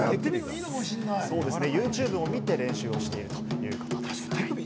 ＹｏｕＴｕｂｅを見て練習してということですね。